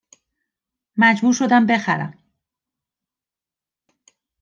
مجبور شدم بخرم